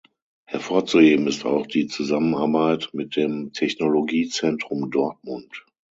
Hervorzuheben ist auch die Zusammenarbeit mit dem Technologiezentrum Dortmund.